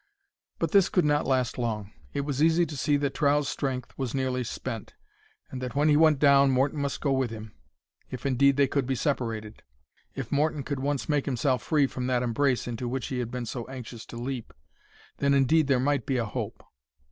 But this could not last long. It was easy to see that Trow's strength was nearly spent, and that when he went down Morton must go with him. If indeed they could be separated,—if Morton could once make himself free from that embrace into which he had been so anxious to leap,—then indeed there might be a hope.